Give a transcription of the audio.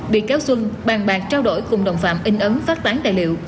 bị cáo xuân bàn bạc trao đổi cùng đồng phạm in ấn phát tán tài liệu